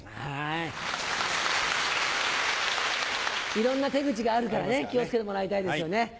いろんな手口があるから気を付けてもらいたいですよね。